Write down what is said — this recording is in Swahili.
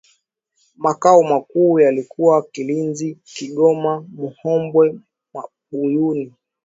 Makao makuu yalikuwa kalinzi kigoma muhambwe buyungu